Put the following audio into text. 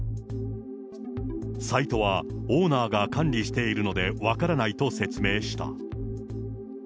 サイトはオーナーが管理しているので分からないと説明した。